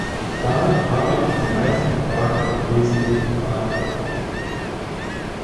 Damit habe ich die meisten Fragen im Wesentlichen beantwortet.